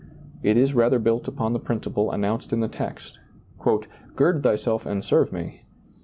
It is rather built upon the principle announced in the text, " Gird thyself, and serve me